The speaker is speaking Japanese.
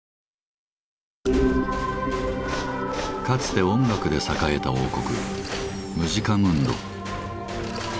かつて音楽で栄えた王国「ムジカムンド」。